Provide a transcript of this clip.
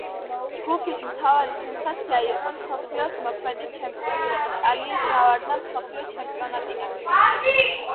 ჯგუფის მთავარი სენსაცია იყო მსოფლიოს მოქმედი ჩემპიონის, იტალიის გავარდნა მსოფლიო ჩემპიონატიდან.